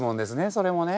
それもね。